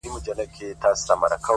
o سم لكه ماهى يو سمندر تر ملا تړلى يم،